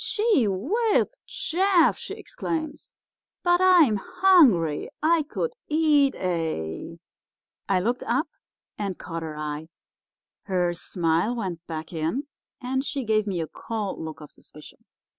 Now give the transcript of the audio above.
"'Gee whiz, Jeff!' she exclaims, 'but I'm hungry. I could eat a—' "I looked up and caught her eye. Her smile went back in and she gave me a cold look of suspicion.